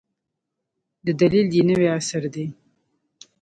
د دلیل یې نوی عصر دی.